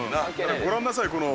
ご覧なさい。